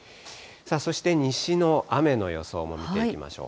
そして西の雨の予想も見ていきましょう。